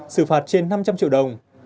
sử phạt trên năm trăm linh triệu đồng